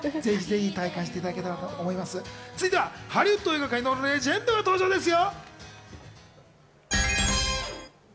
続いてはハリウッド映画界のレジェンドが登場ですよ。